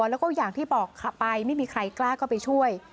แล้วก็อย่างที่บอกขับไปไม่มีใครกล้าเข้าไปช่วย